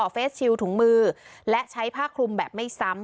เฟสชิลถุงมือและใช้ผ้าคลุมแบบไม่ซ้ำ